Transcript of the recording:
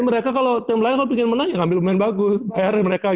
mereka kalau tim lain kalau pengen menang ya ambil pemain bagus bayarnya mereka